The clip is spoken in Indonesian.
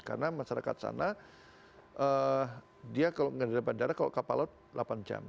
karena masyarakat sana dia kalau nggak ada bandara kalau kapal laut delapan jam